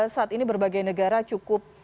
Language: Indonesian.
saat ini berbagai negara cukup